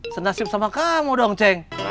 senasib sama kamu dong ceng